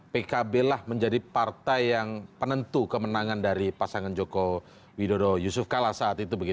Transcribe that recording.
pkb lah menjadi partai yang penentu kemenangan dari pasangan joko widodo yusuf kala saat itu